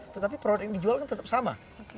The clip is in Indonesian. tetapi produk yang dijual kan tetap sama